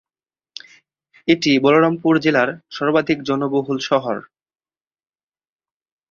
এটি বলরামপুর জেলার সর্বাধিক জনবহুল শহর।